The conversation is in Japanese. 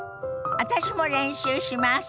私も練習します！